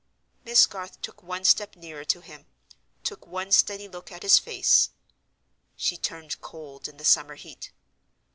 Miss Garth took one step nearer to him—took one steady look at his face. She turned cold in the summer heat.